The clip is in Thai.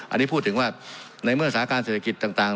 อันนี้พูดถึงว่าในเมื่อสาการเศรษฐกิจต่าง